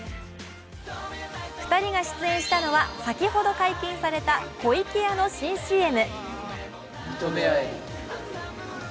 ２人が出演したのは先ほど解禁された湖池屋の新ＣＭ。